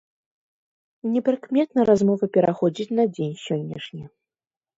Непрыкметна размова пераходзіць на дзень сённяшні.